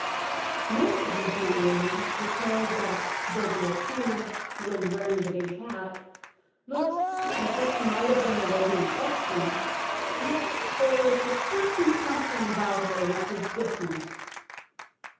Most of these young women declared that though the accused, when wearing the big hat, looked as if she might have been the lady in question, yet there was a certain something about her which was different.